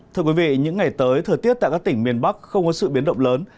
thưa quý vị những ngày tới thời tiết tại các tỉnh miền bắc không có sự biến động lớn